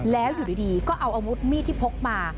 แล้วอยู่ดีก็เอาอาวุธมีดที่พกมา